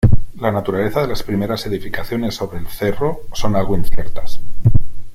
La naturaleza de las primeras edificaciones sobre el cerro son algo inciertas.